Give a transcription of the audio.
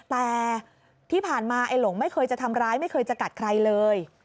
แต่ที่ผ่านมาไอ้หลงไม่เคยจะทำร้ายไม่เคยจะกัดใครเลย